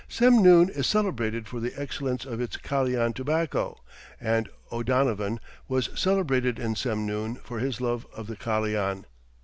Semnoon is celebrated for the excellence of its kalian tobacco, and O'Donovan was celebrated in Semnoon for his love of the kalian.